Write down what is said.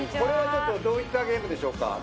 どういったゲームでしょうか。